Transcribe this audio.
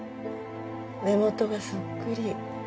目元がそっくり。